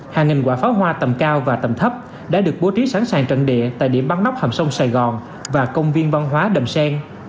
hàng nghìn quả pháo hoa tầm cao và tầm thấp đã được bố trí sẵn sàng trận địa tại điểm bắn nóc hầm sông sài gòn và công viên văn hóa đầm sen